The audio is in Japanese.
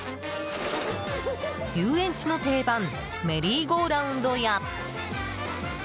遊園地の定番メリーゴーラウンドや。